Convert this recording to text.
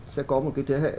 sẽ có một cái thế hệ